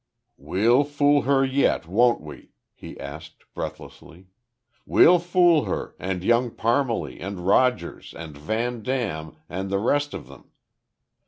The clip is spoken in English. "We'll fool her yet, won't we?" he asked, breathlessly. "We'll fool her, and Young Parmalee, and Rogers, and Van Dam and the rest of them.